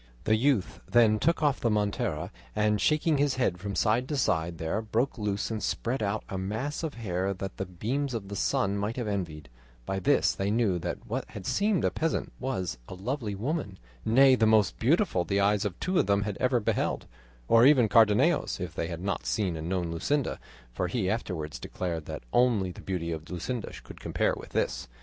The youth then took off the montera, and shaking his head from side to side there broke loose and spread out a mass of hair that the beams of the sun might have envied; by this they knew that what had seemed a peasant was a lovely woman, nay the most beautiful the eyes of two of them had ever beheld, or even Cardenio's if they had not seen and known Luscinda, for he afterwards declared that only the beauty of Luscinda could compare with this.